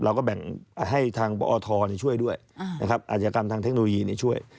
เราก็แบ่งให้บตทรช่วยด้วยอาจกรรมในวิธีนี้ช่วย